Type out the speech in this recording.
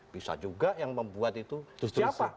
bisa juga yang membuat itu siapa